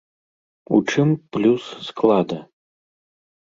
У чым плюс склада?